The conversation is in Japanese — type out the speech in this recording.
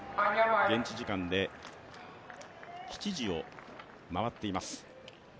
現地時間で７時を回っています。